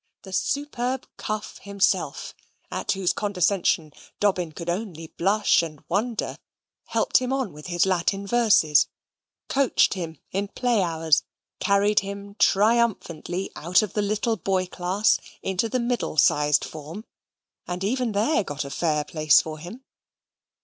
The superb Cuff himself, at whose condescension Dobbin could only blush and wonder, helped him on with his Latin verses; "coached" him in play hours: carried him triumphantly out of the little boy class into the middle sized form; and even there got a fair place for him.